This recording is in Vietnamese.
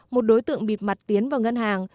một đối tượng bịt mặt tiến vào ngân hàng